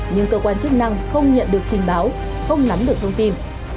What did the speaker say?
nhưng cơ quan chức năng không nhận được trình báo không nắm được thông tin